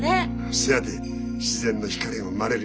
そやで自然の光が生まれるんやさ。